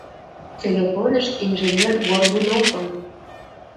Телефоныш инженер Горбуновым!..